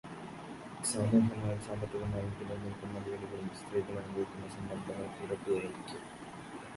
സാമൂഹ്യമായും സാമ്പത്തികമായും പിന്നിൽ നിൽക്കുന്ന വീടുകളിൽ സ്ത്രീകൾ അനുഭവിക്കുന്ന സമ്മർദ്ദങ്ങൾ ഇരട്ടിയായിരിക്കും.